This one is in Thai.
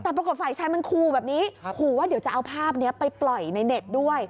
แต่ปรากฏฝ่ายชายมันขู่แบบนี้ขู่ว่าเดี๋ยวจะเอาภาพนี้ไปปล่อยในเน็ตด้วย